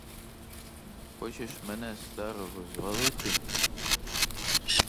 Хочеш мене, старого, звалити?